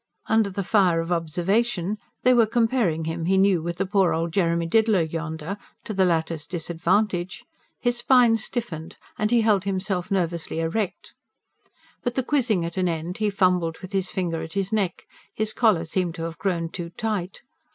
Under the fire of observation they were comparing him, he knew, with the poor old Jeremy Diddler yonder, to the latter's disadvantage his spine stiffened and he held himself nervously erect. But, the quizzing at an end, he fumbled with his finger at his neck his collar seemed to have grown too tight.